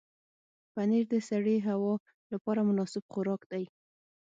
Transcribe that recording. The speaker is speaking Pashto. پنېر د سړې هوا لپاره مناسب خوراک دی.